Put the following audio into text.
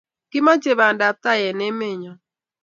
kimache pandaab tai en emenyon